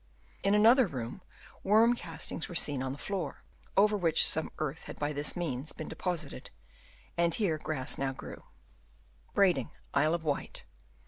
In another open room worm castings were seen on the floor, over which some earth had by this means been deposited, and here grass now grew. Brading, Isle of Wight.